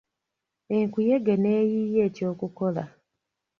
Enkuyege ne yiiya eky'okukola.